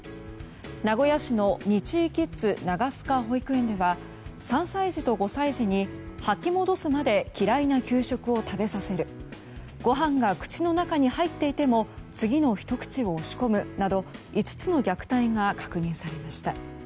名古屋市のニチイキッズ長須賀保育園では３歳児と５歳児に、吐き戻すまで嫌いな給食を食べさせるご飯が口の中に入っていても次のひと口を押し込むなど５つの虐待が確認されました。